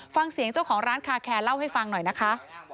ฟังเสียงเจ้าของร้านคาแคร์เล่าให้ฟังหน่อยนะคะ